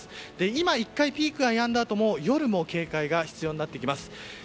今、１回ピークがやんだあとも夜も警戒が必要になってきます。